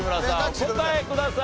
お答えください。